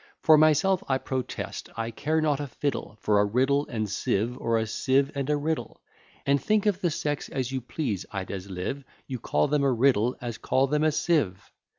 For myself, I protest, I care not a fiddle, For a riddle and sieve, or a sieve and a riddle; And think of the sex as you please, I'd as lieve You call them a riddle, as call them a sieve.